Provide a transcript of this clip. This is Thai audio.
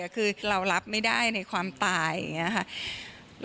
คือเรารับไม่ได้ในความตายอย่างนี้ค่ะ